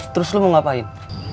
terus lo mau ngapain